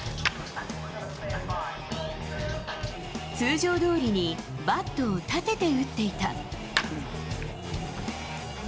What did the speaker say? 通常どおりにバットを立てて打っていた。